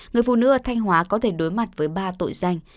người phụ nữ ở thanh hóa có thể đối mặt với ba tội danh